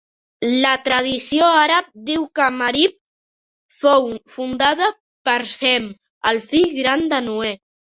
La tradició àrab diu que Marib fou fundada per Sem, el fill gran de Noè.